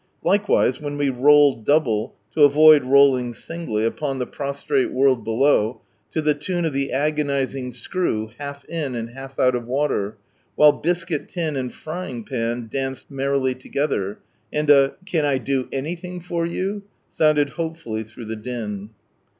Likewise, when we rolled double, to avoid rolling singly, upon the prostrate world below, to the tune of the agonizing screw, half in, and half out of water, while biscuit tin and frying pan danced merrily together, and a " Can I do anything for you ?" sounded hopefully through the din.